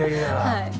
はい。